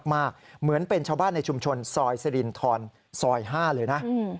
คนนี้มากเหมือนเป็นชาวบ้านในชุมชนซอยซิรินทอนซอย๕เลยนะ